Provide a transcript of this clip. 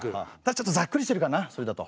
ちょっとざっくりしてるかなそれだと。